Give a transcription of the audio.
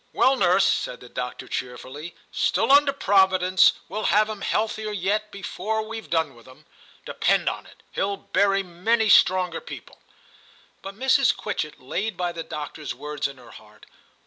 'Well, nurse,' said the doctor cheerfully, 'still under Providence, we'll have him healthier yet before we've .done with him ; depend on it, he'll bury many stronger people.' But Mrs. Quitchett laid by the doctor's words in her heart.